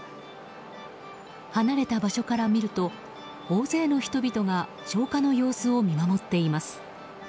離れた場所から見ると大勢の人々が消火の様子を見守っています。